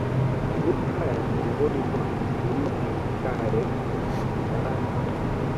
Magofu haya ni miongoni mwa historia ya kale barani Afrika